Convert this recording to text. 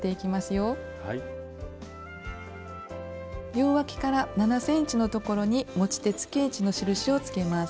両わきから７ｃｍのところに持ち手つけ位置の印をつけます。